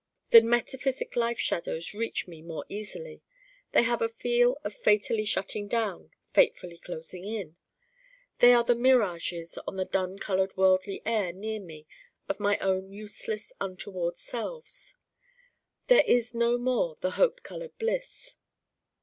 The metaphysic life shadows reach me more easily. They have a feel of fatally shutting down, fatefully closing in. They are the mirages on the dun colored worldly air near me of my own useless untoward selves. There is no more the hope colored bliss.